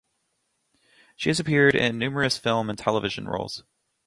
She has appeared in numerous film and television roles.